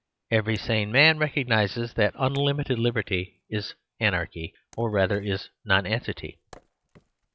Every sane man recognises that unlimited liberty is anarchy, or rather is nonentity.